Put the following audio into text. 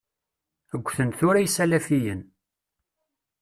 Ggten tura Yisalifiyen.